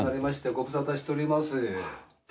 ご無沙汰しております。